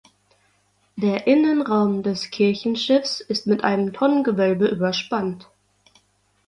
Der Innenraum des Kirchenschiffs ist mit einem Tonnengewölbe überspannt.